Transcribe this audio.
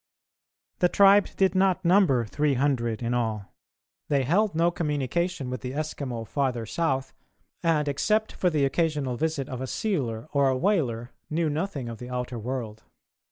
] The tribe did not number 300 in all; they held no communication with the Eskimo farther south, and, except for the occasional visit of a sealer or a whaler, knew nothing of the outer world.